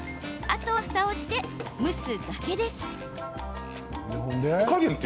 あとは、ふたをして蒸すだけです。